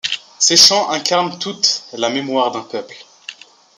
Ses chants incarnent toute la mémoire d’un peuple.